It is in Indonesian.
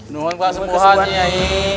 nyungun kena kesembuhan nyai